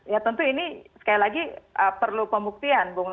ya tentu ini sekali lagi perlu pembuktian bu nenhar kenapa